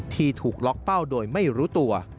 ที่ถูกล็อกเป้าโดยไม่รู้ตัว